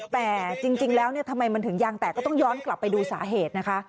แต่จริงแล้วทำไมมันถึงยางแตกก็ต้องย้อนกลับไปดูสาเหตุนะคะ